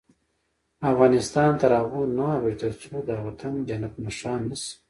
افغانستان تر هغو نه ابادیږي، ترڅو دا وطن جنت نښان نشي.